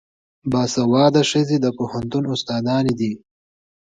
باسواده ښځې د پوهنتون استادانې دي.